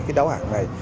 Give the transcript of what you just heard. còn nếu như vậy